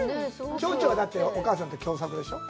ちょうちょはお母さんと共作でしょう？